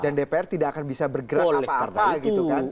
dan dpr tidak akan bisa bergerak apa apa gitu kan